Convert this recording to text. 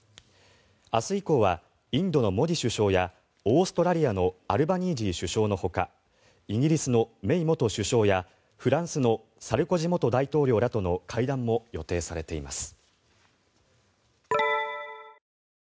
明日以降はインドのモディ首相やオーストラリアのアルバニージー首相のほかイギリスのメイ元首相やフランスのサルコジ元大統領らとの会談も予定されています。